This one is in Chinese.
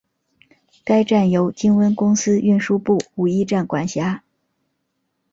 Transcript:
该站由金温公司运输部武义站管辖。